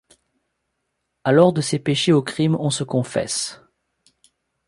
Alors de ses péchés au crime on se confesse.